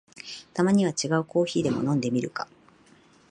たまには違うコーヒーでも飲んでみるか